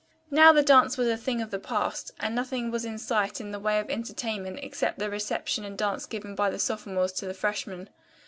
Now the dance was a thing of the past, and nothing was in sight in the way of entertainment except the reception and dance given by the sophomores to the freshmen.